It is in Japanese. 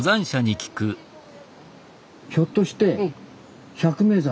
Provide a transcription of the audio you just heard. ひょっとして百名山？